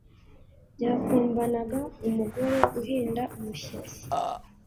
ryakumbanaga umugore uhinda umushyitsi,